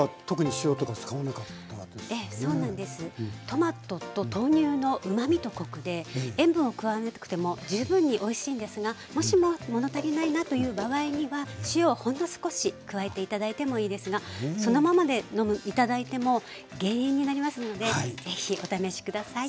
トマトと豆乳のうまみとコクで塩分を加えなくても十分においしいんですがもしも物足りないなという場合には塩をほんの少し加えて頂いてもいいですがそのままで頂いても減塩になりますので是非お試し下さい。